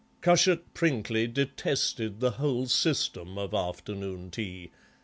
Cushat Prinkly detested the whole system of afternoon tea.